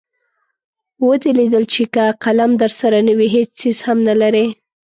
ودې لیدل چې که قلم درسره نه وي هېڅ څیز هم نلرئ.